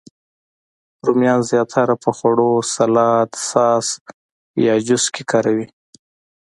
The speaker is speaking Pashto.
رومیان زیاتره په خوړو، سالاد، ساس، یا جوس کې کاروي